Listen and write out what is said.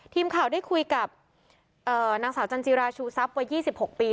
ทีมข่าวได้คุยกับนางสาวจันจิราชูทรัพย์วัย๒๖ปี